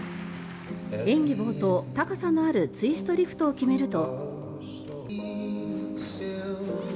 演技冒頭、高さのあるツイストリフトを決めると。